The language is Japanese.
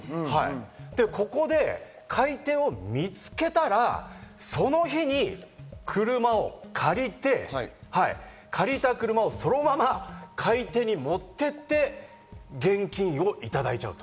で、ここで買い手を見つけたら、その日に車を借りて、借りた車をそのまま買い手に持って行って現金をいただいちゃう。